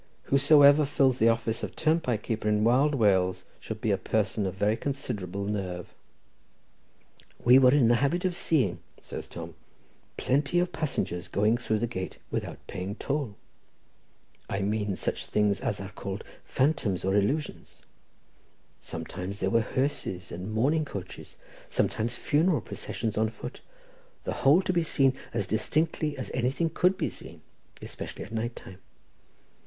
—whosoever fills the office of turnpike keeper in Wild Wales should be a person of very considerable nerve. "We were in the habit of seeing," says Tom, "plenty of passengers going through the gate without paying toll; I mean such things as are called phantoms, or illusions—sometimes there were hearses and mourning coaches, sometimes funeral processions on foot, the whole to be seen as distinctly as anything could be seen, especially at night time.